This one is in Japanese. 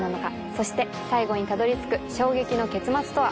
そして最後にたどりつく衝撃の結末とは。